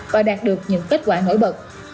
và đạt được những kết quả nổi bật